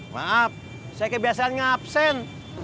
maaf saya kebiasaan ngapsen